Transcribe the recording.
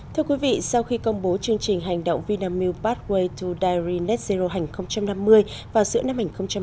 thưa quý vị sau khi công bố chương trình hành động vinamilk pathway to diary net zero hành năm mươi vào giữa năm hai nghìn hai mươi ba